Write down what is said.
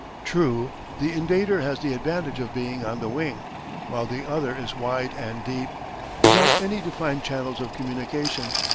True, the invader has the advantage of being on the wing, while the ether is wide and deep, without any defined channels of communication.